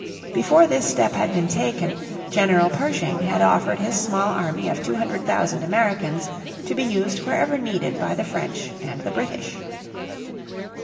Before this step had been taken General Pershing had offered his small army of 200,000 Americans to be used wherever needed by the French and the British.